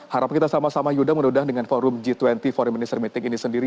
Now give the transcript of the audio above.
harapan kita sama sama yuda menudah dengan forum g dua puluh forum minister meeting ini sendiri